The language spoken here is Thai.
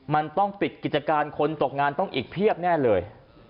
มันต้องปิดกิจการคนตกงานต้องอีกเพียบแน่เลย